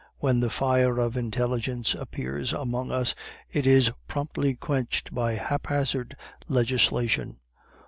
When the fire of intelligence appears among us, it is promptly quenched by haphazard legislation.